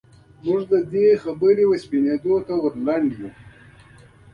موږ د دې خبرې چورلټ سپينولو ته ور لنډ يوو.